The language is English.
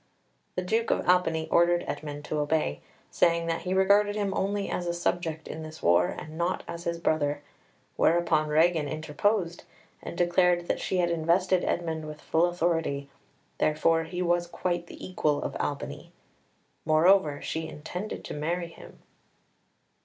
The Duke of Albany ordered Edmund to obey, saying that he regarded him only as a subject in this war, and not as his brother, whereupon Regan interposed, and declared that she had invested Edmund with full authority, therefore he was quite the equal of Albany; moreover, she intended to marry him.